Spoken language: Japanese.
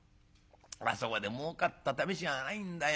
あそこでもうかったためしがないんだよ。